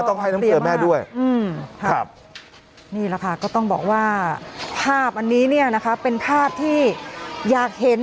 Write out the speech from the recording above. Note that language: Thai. ต้องให้น้ำเกลือแม่ด้วยนี่แหละค่ะก็ต้องบอกว่าภาพอันนี้เนี่ยนะคะเป็นภาพที่อยากเห็น